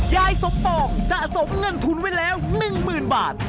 ยายสมปองสะสมเงินทุนไว้แล้ว๑๐๐๐บาท